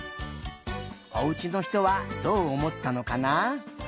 おうちのひとはどうおもったのかな？